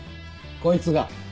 こいつが。